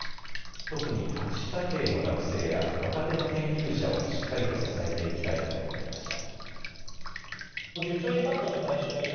特に博士課程の学生や若手の研究者をしっかりと支えていきたいと述べました。